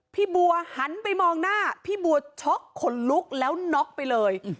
พี่บัวหันไปมองหน้าพี่บัวช็อกขนลุกแล้วน็อกไปเลย